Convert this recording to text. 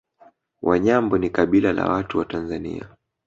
Wanyambo ni kabila la watu wa Tanzania